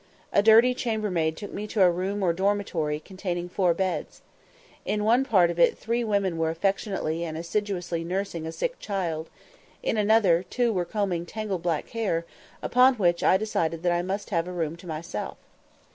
A dirty chambermaid took me to a room or dormitory containing four beds. In one part of it three women were affectionately and assiduously nursing a sick child; in another, two were combing tangled black hair; upon which I declared that I must have a room to myself.